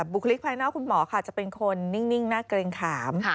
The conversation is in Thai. บุคลิกภายนอกคุณหมอค่ะจะเป็นคนนิ่งน่าเกรงขาม